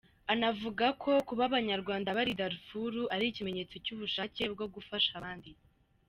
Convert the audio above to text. Anavuga ko kuba Abanyarwanda bari i Darfur ari ikimenyetso cy’ubushake bwo gufasha abandi.